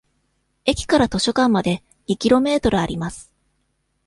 駅から図書館まで二キロメートルあります。